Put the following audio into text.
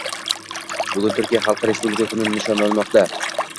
Bugun Turkiya xalqi respublika kunini nishonlamoqdang